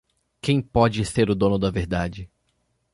Quem pode ser dono da verdade?